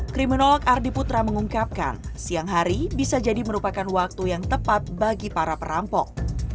kriminolog ardi putra mengungkapkan siang hari bisa jadi merupakan waktu yang tepat bagi para perampok